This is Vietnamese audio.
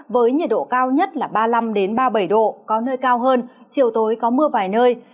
với nhiệt độ cao nhất là ba mươi năm ba mươi bảy độ có nơi cao hơn chiều tối có mưa vài nơi